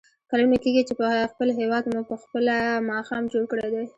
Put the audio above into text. کلونه کېږي چې په خپل هېواد مو په خپله ماښام جوړ کړی دی.